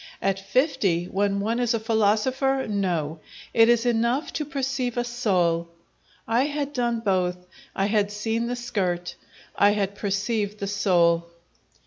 At fifty, when one is a philosopher No: it is enough to perceive a soul! I had done both; I had seen the skirt; I had perceived the soul!